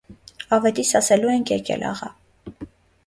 - Ավետիս ասելու ենք եկել, աղա: